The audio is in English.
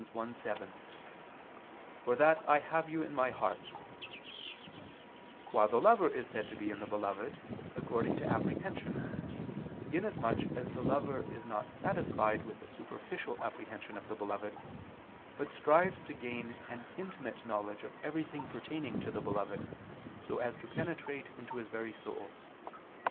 1:7, "For that I have you in my heart": while the lover is said to be in the beloved, according to apprehension, inasmuch as the lover is not satisfied with a superficial apprehension of the beloved, but strives to gain an intimate knowledge of everything pertaining to the beloved, so as to penetrate into his very soul.